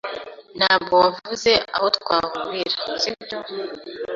Ntabwo wavuze aho twahurira, sibyo?